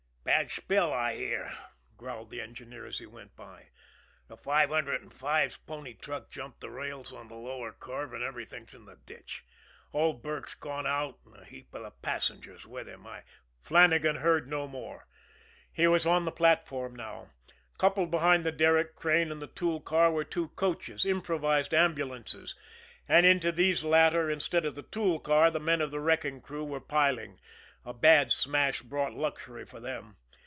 "Bad spill, I hear," growled the engineer, as he went by. "The five hundred and five's pony truck jumped the rails on the lower curve and everything's in the ditch. Old Burke's gone out and a heap of the passengers with him. I " Flannagan heard no more he was on the platform now. Coupled behind the derrick crane and the tool car were two coaches, improvised ambulances, and into these latter, instead of the tool car, the men of the wrecking gang were piling a bad smash brought luxury for them.